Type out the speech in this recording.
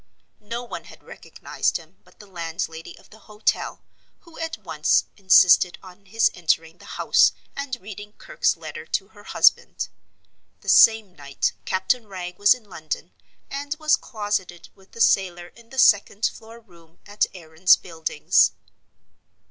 No one had recognized him but the landlady of the hotel, who at once insisted on his entering the house and reading Kirke's letter to her husband. The same night Captain Wragge was in London, and was closeted with the sailor in the second floor room at Aaron's Buildings.